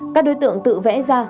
các đối tượng tự vẽ ra